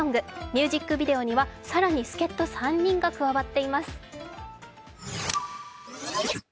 ミュージックビデオには更に助っと３人が加わっています。